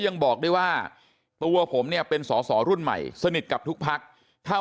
ยังบอกได้ว่าตัวผมเนี่ยเป็นสอสอรุ่นใหม่สนิทกับทุกพักถ้า